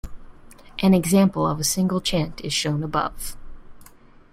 An example of a single chant is shown above.